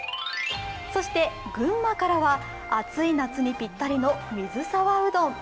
そして群馬からは暑い夏にぴったりの水沢うどん。